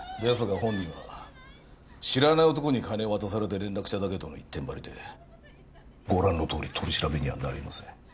本人は知らない男に金を渡されて連絡しただけとの一点張りでご覧のとおり取り調べにはなりません